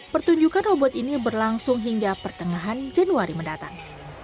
pertunjukan robot ini berlangsung hingga pertengahan januari mendatang